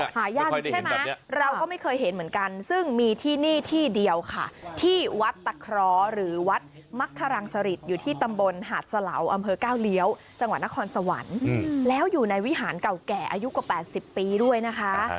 หายากใช่ไหมเราก็ไม่เคยเห็นเหมือนกันซึ่งมีที่นี่ที่เดียวค่ะที่วัดตะเคราะห์หรือวัดมักครังสริตอยู่ที่ตำบลหาดสะเหลาอำเภอก้าวเลี้ยวจังหวัดนครสวรรค์แล้วอยู่ในวิหารเก่าแก่อายุกว่า๘๐ปีด้วยนะคะ